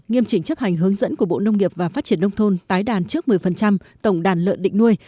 nghiêm chỉnh chấp hành hướng dẫn của bộ nông nghiệp và phát triển nông thôn tái đàn trước một mươi tổng đàn lợn định nuôi